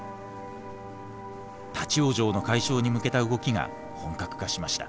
立往生の解消に向けた動きが本格化しました。